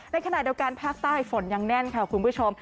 ในขณะเดียวกันภาคใต้ฝนยังแน่นค่ะคุณผู้ชม